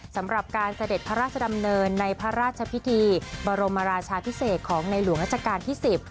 สำหรับการเสด็จพระราชดำเนินในพระราชพิธีบรมราชาพิเศษของในหลวงราชการที่๑๐